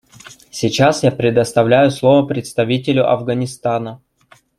Сейчас я предоставляю слово представителю Афганистана.